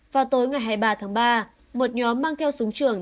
vào tối ngày hai mươi ba tháng ba một nhóm mang theo súng trường